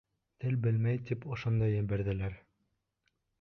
Тел белмәй тип ошонда ебәрҙеләр.